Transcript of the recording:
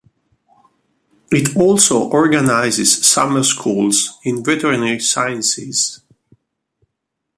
It also organises summer schools in veterinary sciences.